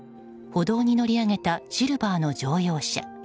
歩道に乗り上げたシルバーの乗用車。